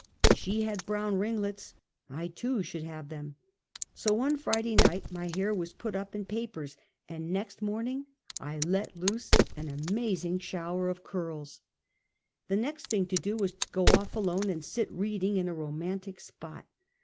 She had brown ringlets ; I too should have them. So one Friday night, my hair was put up in papers, and next morning, I let loose an amazing shower of curls. The next thing to do was to go off alone, and sit reading in a romantic spot.